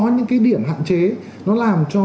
những cái điểm hạn chế nó làm cho